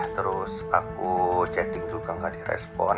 terus aku chatting juga gak direspon